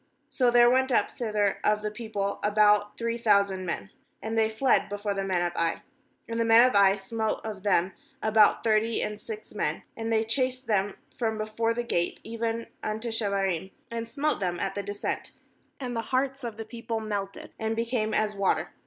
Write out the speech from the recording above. *So there went up thither of the people about three thousand men, and they fled before the men of Ai 5And the men of Ai smote of them about thirty and six men; and they chased them from before the gate even unto Shebarim, and smote them at the descent; and the hearts of the people melted, and became as water.